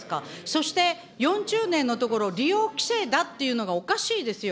そして４０年のところ、利用規制だっていうのがおかしいですよ。